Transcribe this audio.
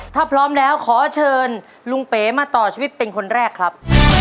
ถ้าพร้อมแล้วขอเชิญลุงเป๋มาต่อชีวิตเป็นคนแรกครับ